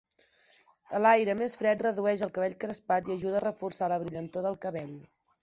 El aire més fred redueix el cabell crespat i ajuda a reforçar la brillantor del cabell.